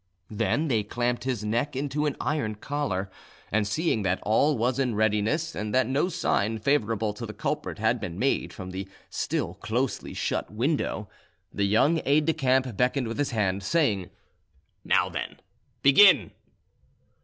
Then they clamped his neck into an iron collar, and seeing that all was in readiness and that no sign favourable to the culprit had been made from the still closely shut window, the young aide de camp beckoned with his hand, saying, "Now, then, begin!"